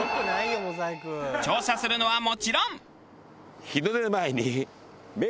調査するのはもちろん。